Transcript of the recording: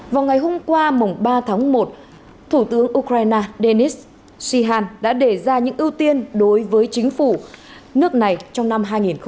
vào ngày hôm qua mùng ba tháng một thủ tướng ukraine denis shihan đã đề ra những ưu tiên đối với chính phủ nước này trong năm hai nghìn hai mươi